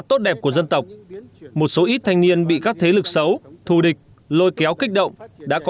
tốt đẹp của dân tộc một số ít thanh niên bị các thế lực xấu thù địch lôi kéo kích động đã có